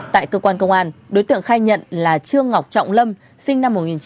tại cơ quan công an đối tượng khai nhận là trương ngọc trọng lâm sinh năm một nghìn chín trăm tám mươi